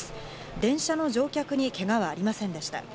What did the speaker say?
電車の乗客にけがはありませんでした。